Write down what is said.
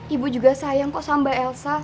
ibu juga sayang kok sama mbak elsa